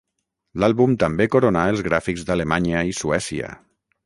L'àlbum també coronà els gràfics d'Alemanya i Suècia.